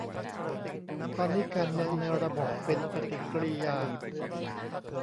ตอนนี้การเมืองในระบบเป็น 'ปฏิกิริยา'